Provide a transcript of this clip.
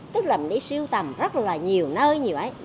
tức là mình đi siêu tầm rất là nhiều nơi nhiều ấy